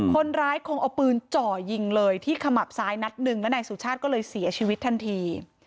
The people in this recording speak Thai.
คนร้ายคงเอาปืนจ่อยิงเลยที่ขมับซ้ายนัดหนึ่งแล้วนายสุชาติก็เลยเสียชีวิตทันที